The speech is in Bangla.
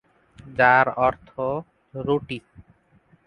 যার অর্থ "রুটি"।